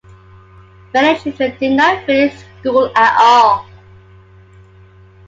Many children did not finish school at all.